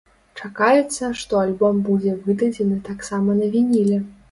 Чакаецца, што альбом будзе выдадзены таксама на вініле.